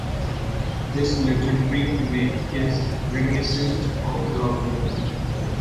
This legendary image is reminiscent of Robin Hood.